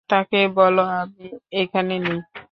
তাকে বলো আমি এখানে নেই।